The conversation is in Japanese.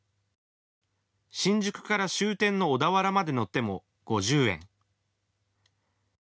新宿から終点の小田原まで乗っても５０円。